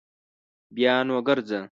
بیا نو ګرځه